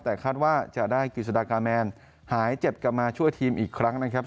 แต่คาดว่าจะได้กิจสดากาแมนหายเจ็บกลับมาช่วยทีมอีกครั้งนะครับ